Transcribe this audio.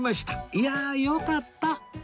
いやよかった！